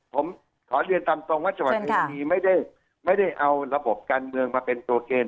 ผมขอเรียนตามตรงว่าจังหวัดพินีไม่ได้เอาระบบการเมืองมาเป็นตัวเกณฑ์